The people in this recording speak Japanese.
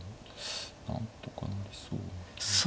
なんとかなりそうな気がする。